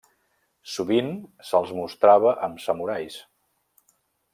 Sovint se'ls mostrava amb samurais.